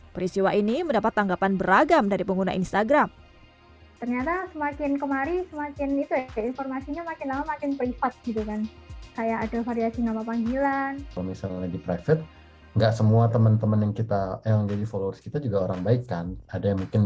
peristiwa ini mendapat tanggapan beragam dari pengguna instagram